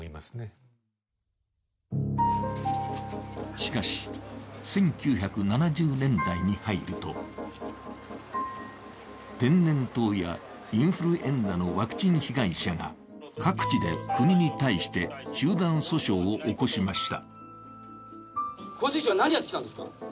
しかし、１９７０年代に入ると天然痘やインフルエンザのワクチン被害者が各地で国に対して集団訴訟を起こしました。